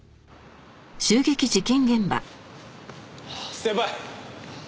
先輩！